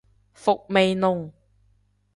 伏味濃